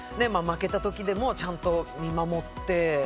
負けた時でもちゃんと見守って。